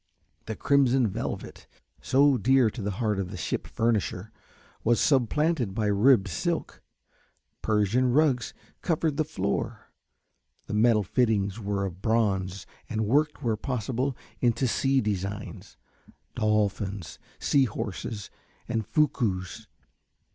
The crimson velvet, so dear to the heart of the ship furnisher, was supplanted by ribbed silk, Persian rugs covered the floor, the metal fittings were of bronze, and worked, where possible, into sea designs: dolphins, sea horses, and fucus.